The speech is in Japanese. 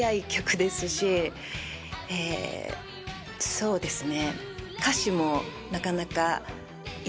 そうですね。